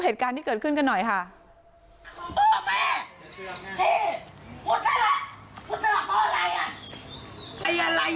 หรอค่ะพี่กูพี่กูยังไม่พูดเลย